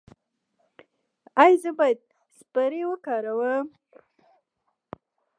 ایا زه باید سپری وکاروم؟